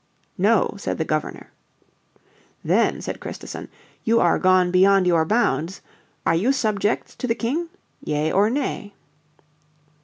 "No," said the Governor. "Then," said Christison, "you are gone beyond your bounds. Are you subjects to the King? Yea or nay?"